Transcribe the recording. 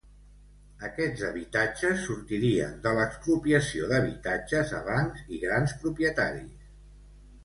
Aquests habitatges sortirien de l'expropiació d'habitatges a bancs i grans propietaris.